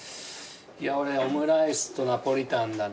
俺オムライスとナポリタンだな。